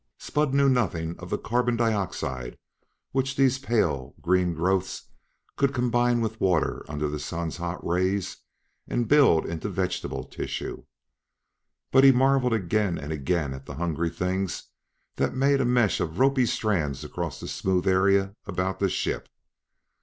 Spud knew nothing of the carbon dioxide which these pale green growths could combine with water under the Sun's hot rays and build into vegetable tissue. But he marveled again and again at the hungry things that made a mesh of ropy strands across the smooth area about the ship.